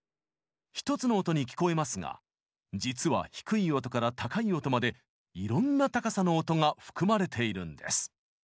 １つの音に聞こえますが実は低い音から高い音までいろんな高さの音が含まれているんです。